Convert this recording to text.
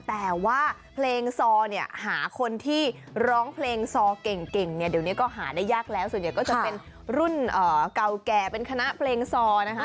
แต่ว่าเพลงซอเนี่ยหาคนที่ร้องเพลงซอเก่งเนี่ยเดี๋ยวนี้ก็หาได้ยากแล้วส่วนใหญ่ก็จะเป็นรุ่นเก่าแก่เป็นคณะเพลงซอนะคะ